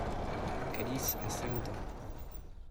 Calice à cinq dents.